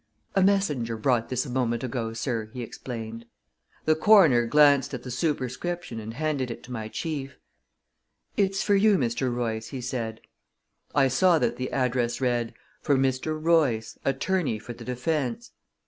"A messenger brought this a moment ago, sir," he explained. The coroner glanced at the superscription and handed it to my chief. "It's for you, Mr. Royce," he said. I saw that the address read, For Mr. Royce, Attorney for the Defense.